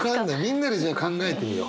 みんなでじゃあ考えてみよう。